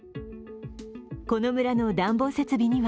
この村の暖房設備には